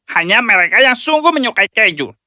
hanya mereka yang sungguh menyukai keju